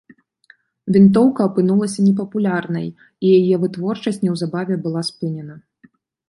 Вінтоўка апынулася непапулярнай, і яе вытворчасць неўзабаве была спынена.